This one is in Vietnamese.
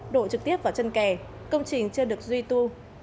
đổ trực tiếp vào chân kè công trình chưa được duy tu